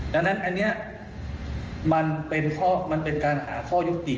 นั่นแหละอันนี้มันเป็นการหาข้อยกติ